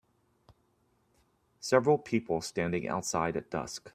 Several people standing outside at dusk.